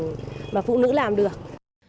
phụ nữ là phụ nữ phụ nữ là phụ nữ